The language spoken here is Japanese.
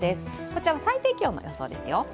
こちらは最低気温の予想ですよ。